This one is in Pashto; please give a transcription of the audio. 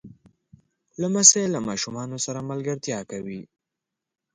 لمسی له ماشومانو سره ملګرتیا کوي.